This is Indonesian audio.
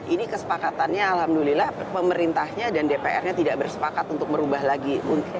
ini kesepakatannya alhamdulillah pemerintahnya dan dpr nya tidak bersepakat untuk merubah lagi